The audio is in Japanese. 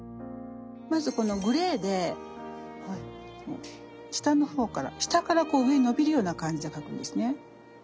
まずこのグレーで下の方から下からこう上に伸びるような感じで描くんですね。